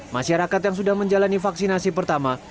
masyarakat yang sudah menjalani vaksinasi pertama